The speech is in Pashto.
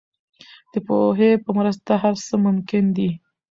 د پوهې په مرسته هر څه ممکن دي.